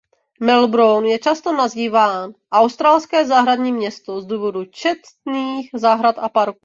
Melbourne je často nazýván „Australské zahradní město“ z důvodu četných zahrad a parků.